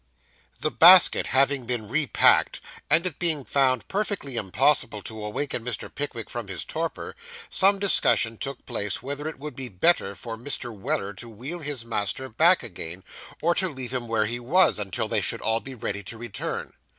The basket having been repacked, and it being found perfectly impossible to awaken Mr. Pickwick from his torpor, some discussion took place whether it would be better for Mr. Weller to wheel his master back again, or to leave him where he was, until they should all be ready to return.